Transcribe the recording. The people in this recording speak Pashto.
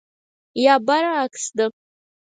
یا برعکس ده.